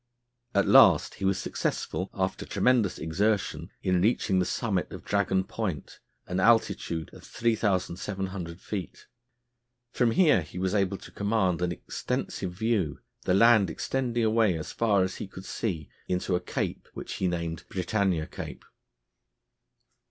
At last he was successful, after tremendous exertion, in reaching the summit of Dragon Point, an altitude of 3700 feet. From here he was able to command an extensive view, the land extending away as far as he could see into a cape which he named Britannia Cape.